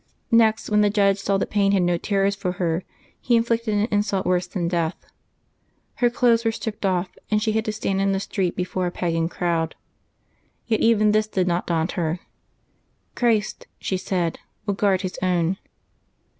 Next, when the judge saw that pain had no terrors for her, he inflicted an insult worse than death: her clothes were stripped off, and she had to stand in the street before a pagan crowd ; yet even this did not daunt her. " Christ," she said, "will guard His own."